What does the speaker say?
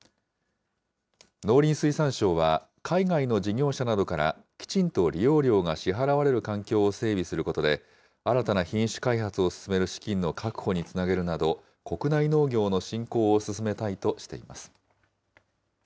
農林水産省は、海外の事業者などからきちんと利用料が支払われる環境を整備することで、新たな品種開発を進める資金の確保につなげるなど、国内農業の振興を進めたいとしています。